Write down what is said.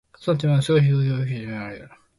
滑走路の手前は、すごい飛行機が大きく見られる。